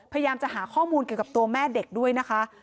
พยายามจะหาข้อมูลเกี่ยวกับตัวแม่เด็กด้วยนะคะ